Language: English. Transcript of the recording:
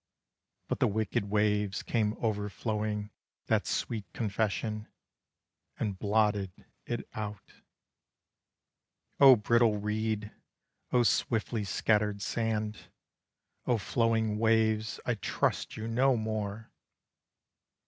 But the wicked waves came overflowing That sweet confession, And blotted it out. Oh brittle reed! oh swiftly scattered sand! Oh flowing waves, I trust you no more!